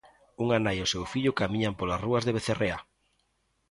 Unha nai e o seu fillo camiñan polas rúas de Becerreá.